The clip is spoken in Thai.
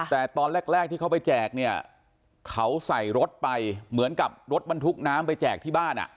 แต่ตอนแรกที่เขาไปแจกเนี่ยเขาใส่รถไปเหมือนกับรถบรรทุกน้ำไปแจกที่บ้านอ่ะ